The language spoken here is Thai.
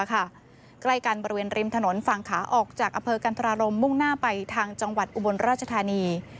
ใกล้กันบริเวณริมถนนฝั่งขาออกจากอำเภอกันทรารมมุ่งหน้าไปทางจังหวัดอุบลราชธานี